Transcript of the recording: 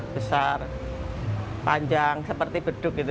besar panjang seperti beduk gitu